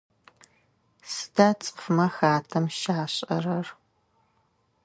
Сыда цӏыфмэ хатэм щашӏэрэр?